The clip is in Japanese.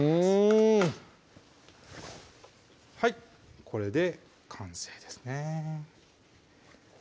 うんはいこれで完成ですね